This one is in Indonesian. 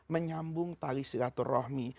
menyambung tali silaturahmi